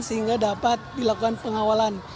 sehingga dapat dilakukan pengawalan